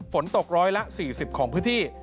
ฝนตกร้อยละ๔๐ของพื้นที่